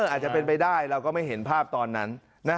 อาจจะเป็นไปได้เราก็ไม่เห็นภาพตอนนั้น